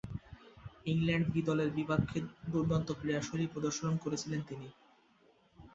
England B দলের বিপক্ষে দূর্দান্ত ক্রীড়াশৈলী প্রদর্শন করেছিলেন তিনি।